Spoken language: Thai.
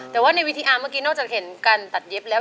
แต่ว่าในวิทยาเมื่อกี้นอกจากเห็นการตัดเย็บแล้ว